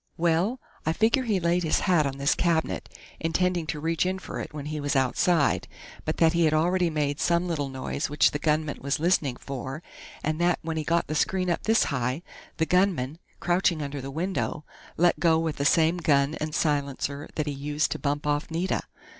Well, I figure he laid his hat on this cabinet, intending to reach in for it when he was outside, but that he had already made some little noise which the gunman was listening for, and that when he got the screen up this high, the gunman, crouching under the window, let go with the same gun and silencer that he used to bump off Nita....